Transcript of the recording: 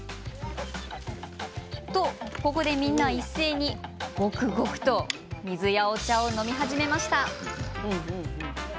と、ここでみんな一斉に、ごくごくと水やお茶を飲み始めました。